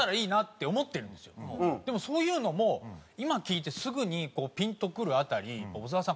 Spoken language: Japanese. でもそういうのも今聞いてすぐにピンとくる辺り小沢さん